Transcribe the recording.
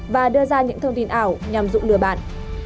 và đưa ra những thông tin ảo nhằm dụ lừa bạn